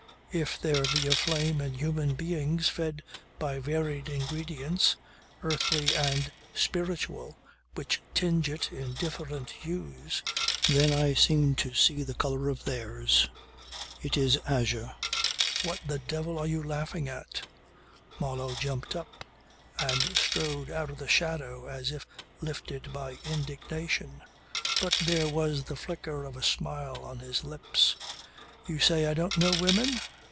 If there be a flame in human beings fed by varied ingredients earthly and spiritual which tinge it in different hues, then I seem to see the colour of theirs. It is azure ... What the devil are you laughing at ..." Marlow jumped up and strode out of the shadow as if lifted by indignation but there was the flicker of a smile on his lips. "You say I don't know women.